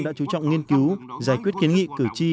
đã chú trọng nghiên cứu giải quyết kiến nghị cử tri